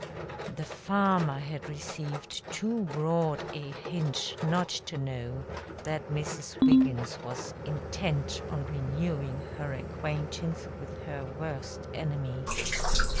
The farmer had received too broad a hint not to know that Mrs. Wiggins was intent on renewing her acquaintance with her worst enemy.